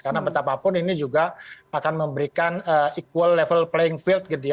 karena betapapun ini juga akan memberikan equal level playing field gitu ya